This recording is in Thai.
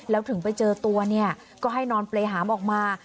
แล้วถึงไปเจอตัวเนี่ยก็ให้นอนเปรยหามออกมา